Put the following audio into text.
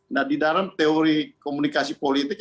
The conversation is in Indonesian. nah di dalam teori komunikasi politik